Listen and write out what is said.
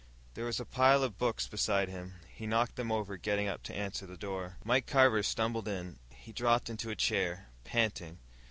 There was a pile of books beside him; he knocked them over getting up to answer the door. Mike Carver stumbled in. He dropped into a chair, panting.